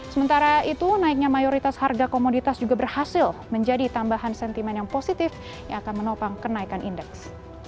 sementara itu naiknya mayoritas harga komoditas juga berhasil menjadi tambahan sentimen yang positif yang akan menopang kenaikan indeks